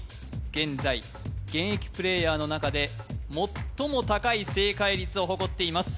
現在現役プレーヤーの中で最も高い正解率を誇っています